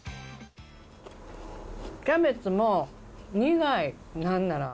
キャベツも苦い、なんなら。